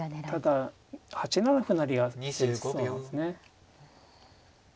ただ８七歩成があってきつそうなんですね。